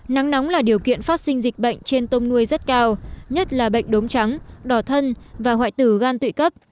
nắng nóng là điều kiện phát sinh dịch bệnh trên tôm nuôi rất cao nhất là bệnh đốm trắng đỏ thân và hoại tử gan tụy cấp